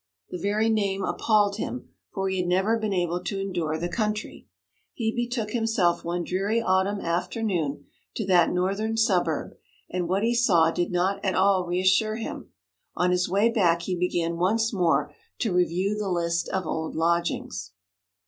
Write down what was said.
The very name appalled him, for he had never been able to endure the country. He betook himself one dreary autumn afternoon to that northern suburb, and what he saw did not at all reassure him. On his way back he began once more to review the list of old lodgings.